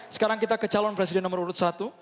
sekarang kita ke calon presiden nomor urut satu